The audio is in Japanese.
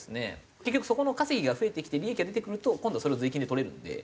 結局そこの稼ぎが増えてきて利益が出てくると今度はそれを税金で取れるので。